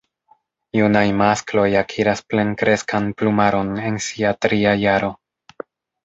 Junaj maskloj akiras plenkreskan plumaron en sia tria jaro.